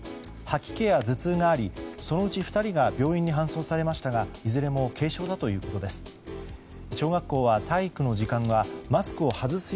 吐き気や頭痛がありそのうち２人が病院に搬送されましたがいずれも軽症だということです。